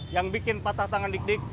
yang bikin patah tangan dik dik